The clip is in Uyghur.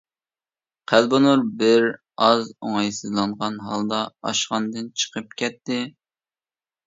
قەلبىنۇر بىر ئاز ئوڭايسىزلانغان ھالدا ئاشخانىدىن چىقىپ كەتتى.